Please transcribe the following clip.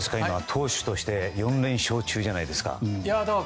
投手として４連勝中じゃないですか。